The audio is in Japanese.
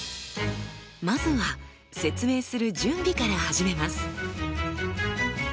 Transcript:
まずは説明する準備から始めます。